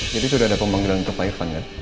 jadi sudah ada pembanggilan untuk pak irvan kan